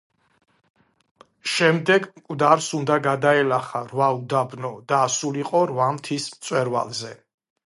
შემდეგ მკვდარს უნდა გადაელახა რვა უდაბნო და ასულიყო რვა მთის მწვერვალზე.